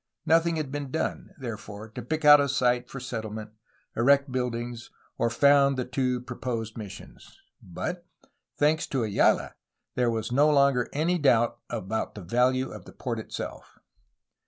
Nothing had been done, therefore, to pick out a site for settlement, erect buildings, or found the two proposed mis sions, but, thanks to Ayala, there was no longer any doubt about the value of the port itself.